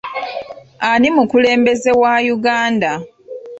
Ani mukulembeze wa Uganda?